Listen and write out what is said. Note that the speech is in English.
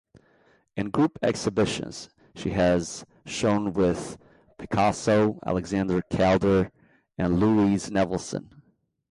In group exhibitions, she has shown with Picasso, Alexander Calder, and Louise Nevelson.